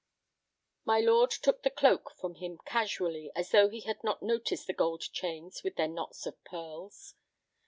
My lord took the cloak from him casually, as though he had not noticed the gold chains with their knots of pearls.